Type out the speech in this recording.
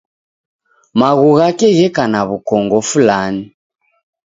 Maghu ghake gheka na w'ukongo fulani.